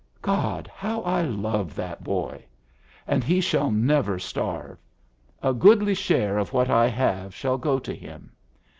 God! how I love that boy! And he shall never starve! A goodly share of what I have shall go to him!